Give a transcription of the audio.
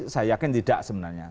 saya yakin tidak sebenarnya